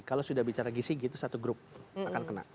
kalau sudah bicara gizigi itu satu grup akan kena